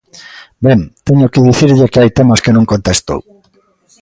Ben, teño que dicirlle que hai temas que non contestou.